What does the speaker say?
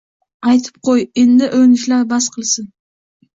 Aytib qo‘y, endi urinishini bas qilsin